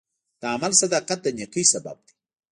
د عمل صداقت د نیکۍ سبب دی.